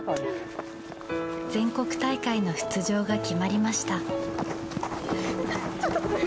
全国大会の出場が決まりました。